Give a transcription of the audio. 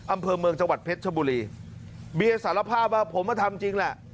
อำเภอเมืองจังหวัดเพชรชบุรีเบียร์สารภาพว่าผมมาทำจริงแหละ